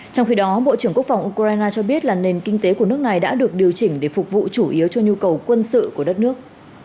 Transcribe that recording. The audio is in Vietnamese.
trong khi đó bộ trưởng quốc phòng ukraine cho biết là nền kinh tế của nước này đã được điều chỉnh để phục vụ chủ yếu cho nhu cầu quân sự của đất nước